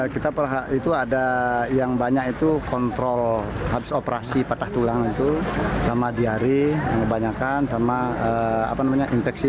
kita itu ada yang banyak itu kontrol habis operasi patah tulang itu sama diare kebanyakan sama apa namanya infeksi